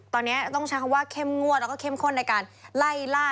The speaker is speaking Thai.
ตอนนี้ต้องใช้คำว่าเข้มงวดแล้วก็เข้มข้นในการไล่ล่า